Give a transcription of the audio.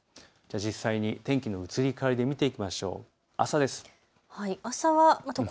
実際に天気の移り変わりで見ていきましょう。